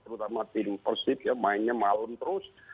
terutama tim persib ya mainnya malam terus